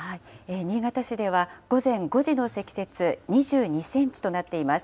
新潟市では、午前５時の積雪、２２センチとなっています。